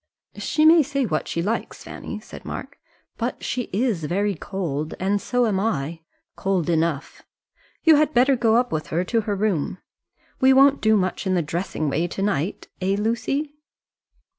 "She may say what she likes, Fanny," said Mark, "but she is very cold. And so am I, cold enough. You had better go up with her to her room. We won't do much in the dressing way to night; eh, Lucy?"